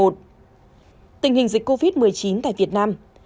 tình hình dịch covid một mươi chín tại việt nam